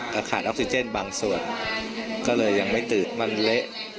ก็ขาดออกซิเจนบางส่วนก็เลยยังไม่ตื่นมันเละ